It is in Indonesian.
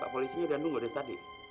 pak polisinya udah nunggu dari tadi